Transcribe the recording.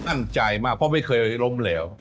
มั่นใจมากเพราะไม่เคยล้มเหลว